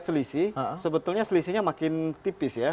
selisih sebetulnya selisihnya makin tipis ya